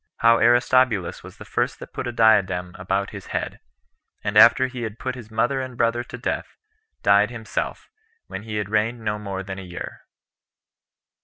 How Aristobulus Was The First That Put A Diadem About His Head; And After He Had Put His Mother And Brother To Death, Died Himself, When He Had Reigned No More Than A Year.